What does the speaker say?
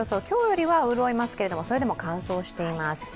今日よりは潤いますけれども、それでも乾燥しています。